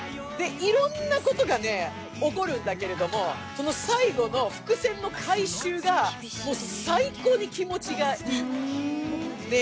いろんなことが起こるんだけれども、その最後の伏線の回収が最高に気持ちいい。